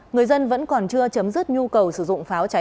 người dân vẫn còn chưa chấm dứt nhu cầu